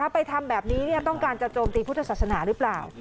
ไปทำแบบนี้ต้องการจะโจมตีพุทธศาสนาหรือเปล่า